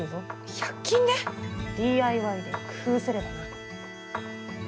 百均で⁉ＤＩＹで工夫すればな。